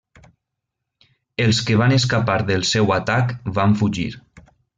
Els que van escapar del seu atac van fugir.